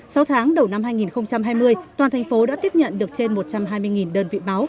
sau tháng đầu năm hai nghìn hai mươi toàn thành phố đã tiếp nhận được trên một trăm hai mươi đơn vị máu